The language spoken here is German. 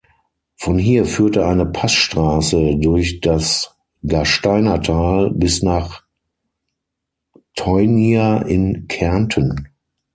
Von hier führte eine Passstraße durch das Gasteinertal bis nach Teurnia in Kärnten.